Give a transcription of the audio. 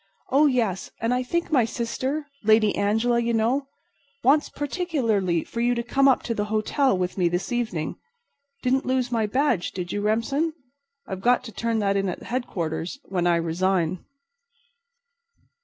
Oh, yes, and I think my sister—Lady Angela, you know—wants particularly for you to come up to the hotel with me this evening. Didn't lose my badge, did you, Remsen? I've got to turn that in at Headquarters when I resign."